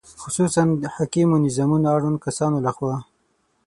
خصوصاً حاکمو نظامونو اړوندو کسانو له خوا